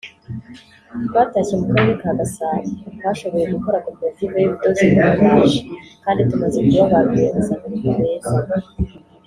twatashye mu Karere ka Gasabo twashoboye gukora Koperative y’ubudozi no ububaji kandi tumaze kuba barwiyemezamirimo beza